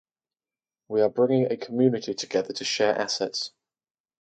We are bringing a community together to share assets.